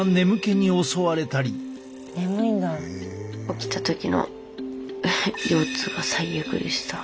起きた時の腰痛が最悪でした。